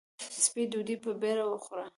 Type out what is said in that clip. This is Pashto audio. سپۍ ډوډۍ په بېړه وخوړه.